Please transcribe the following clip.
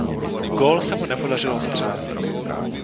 Gól se mu nepodařilo vstřelit.